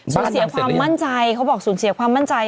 สูญเสียความมั่นใจเขาบอกสูญเสียความมั่นใจ